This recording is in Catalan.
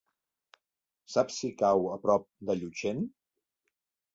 Saps si cau a prop de Llutxent?